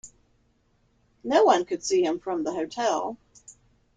No one could see him from the hotel.